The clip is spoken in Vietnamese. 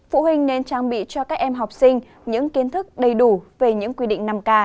phụ huynh nên trang bị cho các em học sinh những kiến thức đầy đủ về những quy định năm k